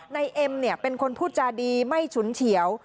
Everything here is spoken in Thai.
เอ็มเป็นคนพูดจาดีไม่ฉุนเฉียว